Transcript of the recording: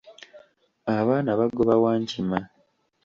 Abaana bagoba wankima.